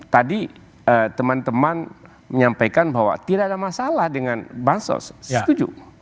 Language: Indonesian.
tadi teman teman menyampaikan bahwa tidak ada masalah dengan bansos setuju